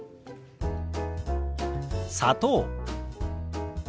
「砂糖」。